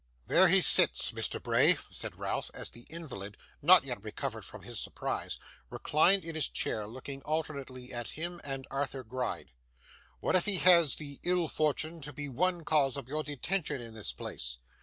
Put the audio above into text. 'There he sits, Mr. Bray,' said Ralph, as the invalid, not yet recovered from his surprise, reclined in his chair, looking alternately at him and Arthur Gride. 'What if he has had the ill fortune to be one cause of your detention in this place?